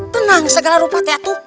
tenang segala rupa teh atuk